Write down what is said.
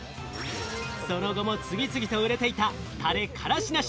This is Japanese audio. その後も次々と売れていた「タレ・カラシなし」